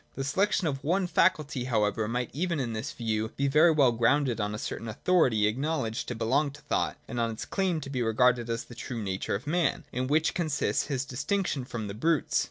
The selection of one faculty however might even in this view be very well grounded on a certain authority acknowledged to belong to thought, and on its claim to be regarded as the true nature of man, in which consists his distinction from the brutes.